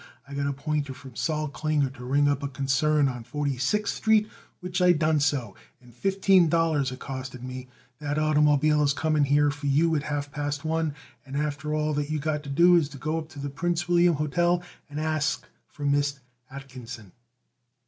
I got a pointer from Sol Klinger to ring up a concern on Forty sixth Street, which I done so, and fifteen dollars it costed me. That oitermobile is coming here for you at half past one, and after that all you got to do is to go up to the Prince William Hotel and ask for Miss Atkinson."